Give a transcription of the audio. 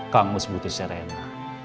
kang mus butuh serena